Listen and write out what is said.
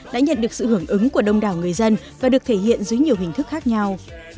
đã nhận được sự hưởng ứng của đông đảo người dân và được thể hiện dưới nhiều hình thức khác nhau